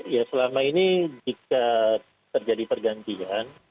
ya selama ini jika terjadi pergantian